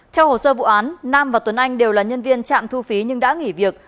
theo hồ sơ vụ án nam và tuấn anh đều là nhân viên trạm thu phí nhưng đã nghỉ việc